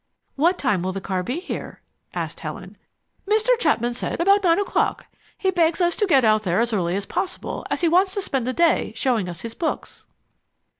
"What time will the car be here?" asked Helen. "Mr. Chapman said about nine o'clock. He begs us to get out there as early as possible, as he wants to spend the day showing us his books."